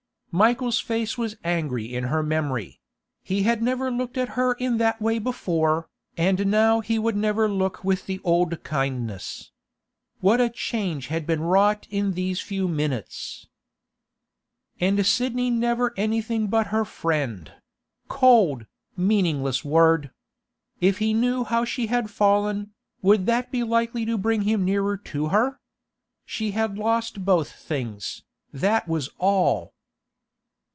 Michael's face was angry in her memory; he had never looked at her in that way before, and now he would never look with the old kindness. What a change had been wrought in these few minutes! And Sidney never anything but her friend—cold, meaningless word! If he knew how she had fallen, would that be likely to bring him nearer to her? She had lost both things, that was all.